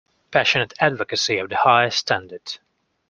Passionate advocacy of the highest standard.